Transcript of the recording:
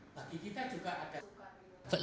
bagi kita juga ada upaya